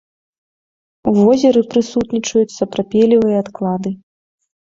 У возеры прысутнічаюць сапрапелевыя адклады.